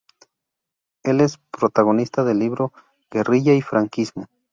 Es el protagonista del libro "Guerrilla y franquismo.